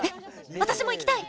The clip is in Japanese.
私も行きたい！